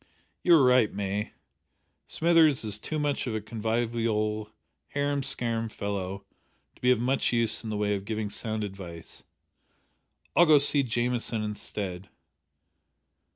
"You are right, May. Smithers is too much of a convivial harum scarum fellow to be of much use in the way of giving sound advice. I'll go to see Jamieson instead.